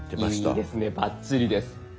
いいですねバッチリです。